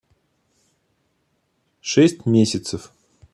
Шесть месяцев